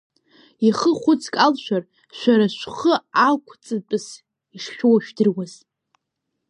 Ихы хәыцк алшәар, шәара шәхы ақәҵатәыс ишшәоуа жәдыруаз!